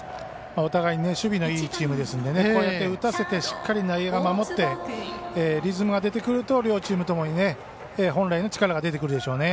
お互い守備のいいチームですのでこうやって打たせてしっかり内野が守ってリズムが出てくると両チームともに本来の力が出てくるでしょうね。